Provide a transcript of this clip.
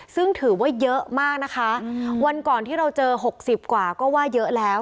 ซึ่งถือว่าเยอะมากนะคะวันก่อนที่เราเจอ๖๐กว่าก็ว่าเยอะแล้ว